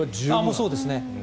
そうですね。